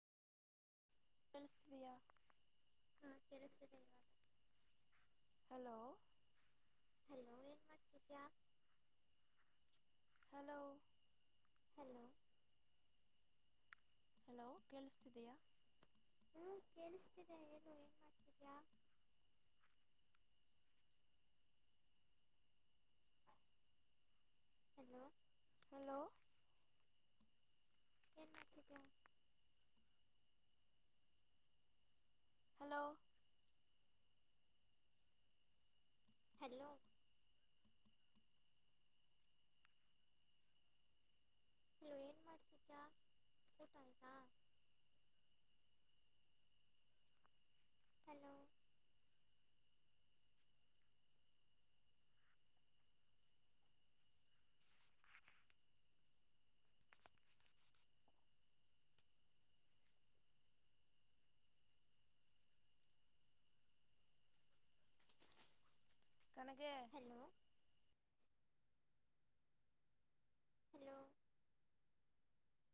ಅಳಿಸಾ ಹ್ಮ ಕೆಳಸವ hello hello ಏನ್ ಮಾಡ್ತಿದಯ ಹಲೋ ಹಲೋ ಹಲೋ ಕೇಳ್ತಿದೆಯಾ ನೀ ಕೇಳಿಸ್ತೀರಾ ಏನು ಏನ್ ಮಾಡ್ತಿದ್ಯಾಾ ಹಲೋ ಹಲೋ ಎಏನ್ ಮಾಡಜಿತ ಹಲೋ ಹಲೋ ಲೋ ಏನ್ ಮಾಡ್ತಿದ ಊಟ ಅಂತ ಹಲೋ ಕನಕ್ಕೆ ಹಲೋ ಹಲೋ